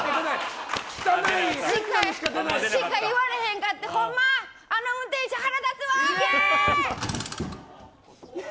それしか言われへんかってほんま、あの運転手腹立つわー！